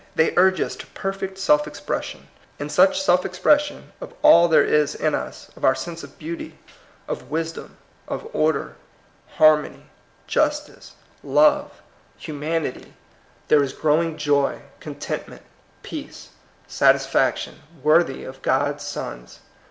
They urge us to perfect self expres* sion. In such self expression, of all there is in us, of our sense of beauty, of wisdom, of order, harmony, justice, love, humanity, THE UAPPT LIFE. 209 there is growing joy, contentment, peace, satisfaction, worthy of God's sons.